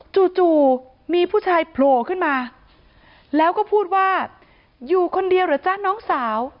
จู่มีผู้ชายโผล่ขึ้นมาแล้วก็พูดว่าอยู่คนเดียวเหรอจ๊ะน้องสาว